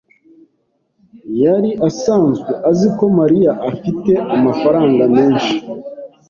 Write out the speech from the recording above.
yari asanzwe azi ko Mariya afite amafaranga menshi.